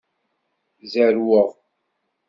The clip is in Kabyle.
Zerweɣ.